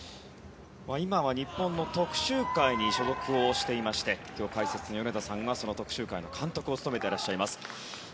今は日本の徳洲会に所属していまして今日、解説の米田さんは監督を務めていらっしゃいます。